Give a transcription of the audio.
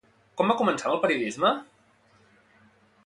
Quan va començar amb el periodisme?